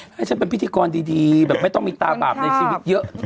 ให้ฉันเป็นพิธีกรดีแบบไม่ต้องมีตาบาปในชีวิตเยอะ